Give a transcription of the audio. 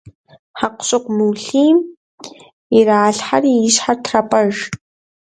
Хьэкъущыкъу мыулъийм иралъхьэри и щхьэр трапӏэж.